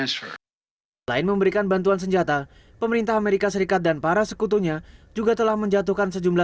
selain memberikan bantuan senjata pemerintah amerika serikat dan para sekutunya juga telah menjatuhkan sejumlah